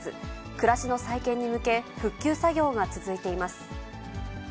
暮らしの再建に向け、復旧作業が続いています。